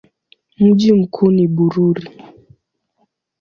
Mji mkuu ni Bururi.